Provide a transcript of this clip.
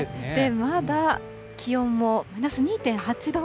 まだ気温もマイナス２．８度。